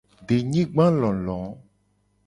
Denyigbalolo.